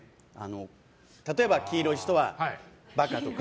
例えば、黄色い人はバカとか。